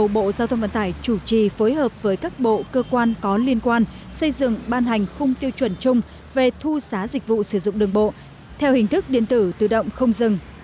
bộ giao thông vận tải chủ trì phối hợp với các bộ cơ quan có liên quan xây dựng ban hành khung tiêu chuẩn chung về thu giá dịch vụ sử dụng đường bộ theo hình thức điện tử tự động không dừng